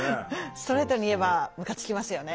ストレートに言えばムカつきますよね。